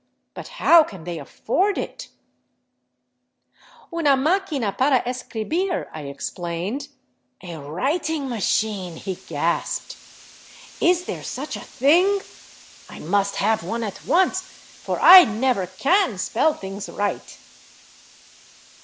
But how can they afiford it ?"" Una maquina para escribir," I explained. "A writing machine!" he gasped. "Is there such a thing? I must have one at once, for I never can spell things right."